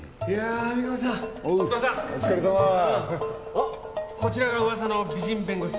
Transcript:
おっこちらが噂の美人弁護士さん？